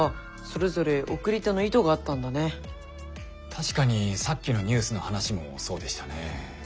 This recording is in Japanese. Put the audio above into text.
確かにさっきのニュースの話もそうでしたね。